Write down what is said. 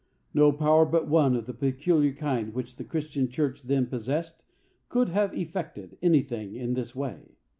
No power but one of the peculiar kind which the Christian church then possessed could have effected anything in this way.